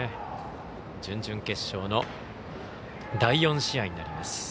準々決勝の第４試合になります。